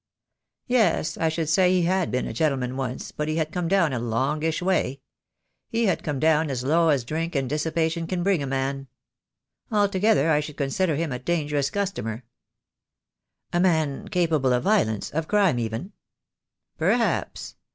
"Yes, I should say he had been a gentleman once, but he had come down a longish way. He had come down as low as drink and dissipation can bring a man. Altogether I should consider him a dangerous customer." "A man capable of violence — of crime even?" "Perhaps!